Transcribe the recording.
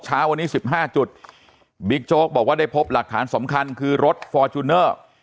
เช้าวันนี้๑๕จุดบิ๊กโจ๊กบอกว่าได้พบหลักฐานสำคัญคือรถฟอร์จูเนอร์